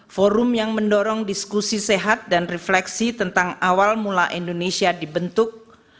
forum yang mendorong diskusi sehat dan refleksi tentang awal mula indonesia dibentuk